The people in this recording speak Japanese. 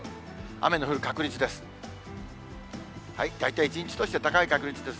雨の降る確率です。